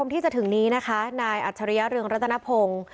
ที่จะถึงนี้นะคะนายอัจฉริยะเรืองรัตนพงศ์